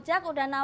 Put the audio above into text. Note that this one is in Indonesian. bang selamat siang